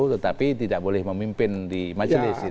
tetapi tidak boleh memimpin di majelis